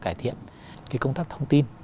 cải thiện cái công tác thông tin